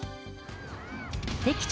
敵地